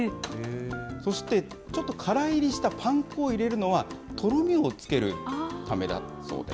そしてちょっとからいりしたパン粉を入れるのは、とろみをつけるポタージュみたいな感じ。